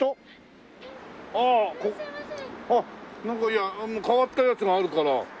なんかいや変わったやつがあるから。